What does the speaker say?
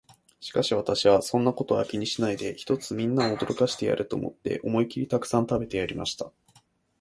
しかし私は、そんなことは気にしないで、ひとつみんなを驚かしてやれと思って、思いきりたくさん食べてやりました。